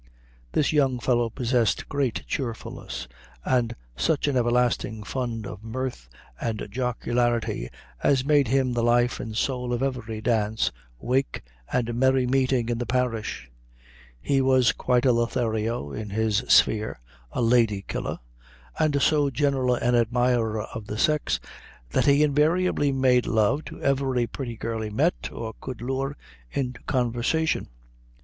This young fellow possessed great cheerfulness, and such an everlasting fund of mirth and jocularity, as made him the life and soul of every dance, wake, and merry meeting in the parish. He was quite a Lothario in his sphere a lady killer and so general an admirer of the sex, that he invariably made I love to every pretty girl he met, or could lure into conversation.